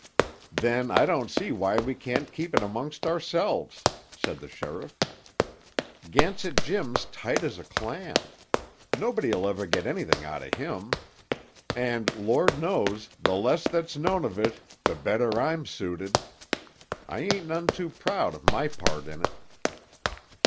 "Then I don't see why we can't keep it amongst ourselves," said the sheriff. "Gansett Jim's tight as a clam. Nobody'll ever get anything out of him. And, Lord knows, the less that's known of it the better I'm suited. I ain't none too proud of my part in it."